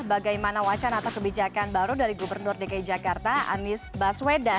bagaimana wacana atau kebijakan baru dari gubernur dki jakarta anies baswedan